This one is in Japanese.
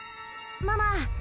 ママ！